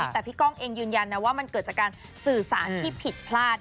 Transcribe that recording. แต่พี่ก้องเองยืนยันนะว่ามันเกิดจากการสื่อสารที่ผิดพลาด